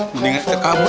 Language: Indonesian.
mendingan ikut kamu